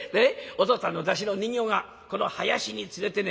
お父っつぁんの山車の人形がこの囃子につれてね